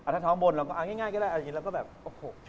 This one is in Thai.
ทำตัวไม่ถูกเลย